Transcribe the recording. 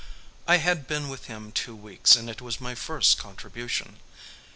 I had been with him two weeks and it was my first contribution.